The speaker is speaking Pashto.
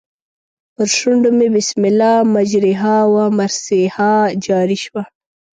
پر شونډو مې بسم الله مجریها و مرسیها جاري شو.